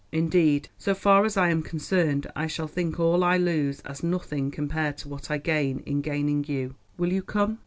Indeed, so far as I am concerned, I shall think all I lose as nothing compared to what I gain in gaining you. Will you come?